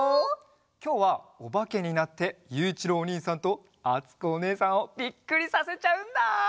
きょうはおばけになってゆういちろうおにいさんとあつこおねえさんをびっくりさせちゃうんだ。